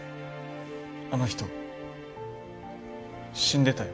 あの人死んでたよ。